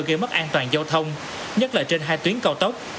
gây mất an toàn giao thông nhất là trên hai tuyến cao tốc